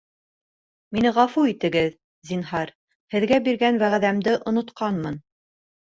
Мине ғәфү итегеҙ, зинһар, һеҙгә биргән вәғәҙәмде онотҡанмын